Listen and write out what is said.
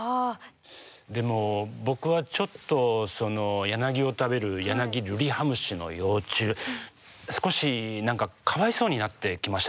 でも僕はちょっとヤナギを食べるヤナギルリハムシの幼虫少し何かかわいそうになってきましたね。